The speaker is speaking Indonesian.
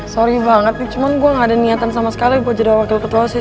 sorry banget nih cuman gue gak ada niatan sama sekali buat jadi wakil ketua sih